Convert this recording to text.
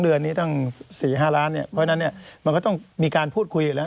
๒เดือนนี้ต้อง๔๕ล้านเพราะฉะนั้นมันก็ต้องมีการพูดคุยอยู่แล้ว